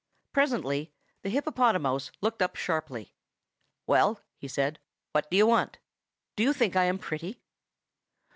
Presently the hippopotamouse looked up sharply. "Well," he said, "what do you want? Do you think I am pretty?"